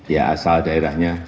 ya asal daerahnya